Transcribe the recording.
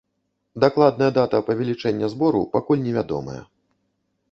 Дакладная дата павелічэння збору пакуль невядомая.